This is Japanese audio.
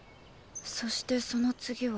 そしてその次は。